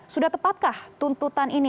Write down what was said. sudah tepatkah tuntutan ini